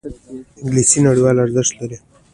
انګلیسي نړیوال ارزښت لري